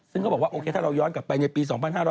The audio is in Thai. ซึ่งเขาบอกว่าโอเคถ้าเราย้อนกลับไปในปี๒๕๕๙